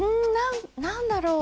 何だろう？